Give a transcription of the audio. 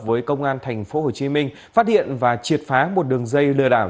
với công an thành phố hồ chí minh phát hiện và triệt phá một đường dây lừa đảo